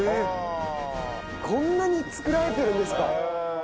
こんなに作られてるんですか！